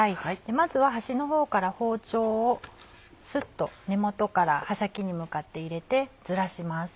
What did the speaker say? まずは端の方から包丁をスッと根元から刃先に向かって入れてずらします。